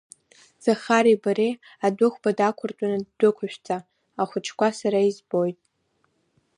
Захари бареи адәыӷба дақәыртәаны ддәықәышәҵа, ахәыҷқәа сара избоит.